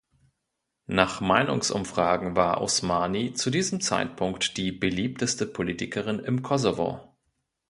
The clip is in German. Nach Meinungsumfragen war Osmani zu diesem Zeitpunkt die beliebteste Politikerin im Kosovo.